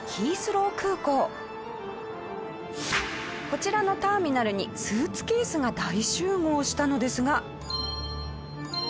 こちらのターミナルにスーツケースが大集合したのですが。